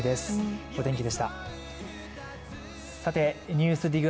「ＮＥＷＳＤＩＧ」